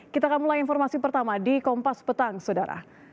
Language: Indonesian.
kita akan mulai informasi pertama di kompas petang saudara